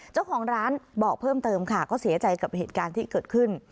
เจ้าของร้านบอกเพิ่มเติมค่ะก็เสียใจกับเหตุการณ์ที่เกิดขึ้น